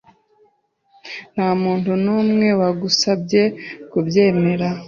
Ntamuntu numwe wagusabye kubyemera,